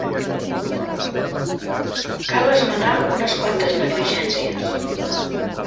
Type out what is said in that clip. Cal esmenar unes quantes negligències.